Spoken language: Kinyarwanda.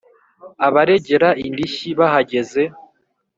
Abaregera indishyi bahageze